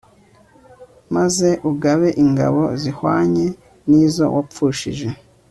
maze ugabe ingabo zihwanye n'izo wapfushije